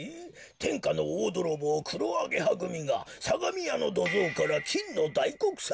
「てんかのおおどろぼうくろアゲハぐみがさがみやのどぞうからきんのだいこくさまをぬすんだ」？